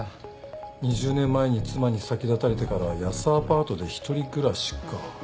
２０年前に妻に先立たれてからは安アパートで一人暮らしか。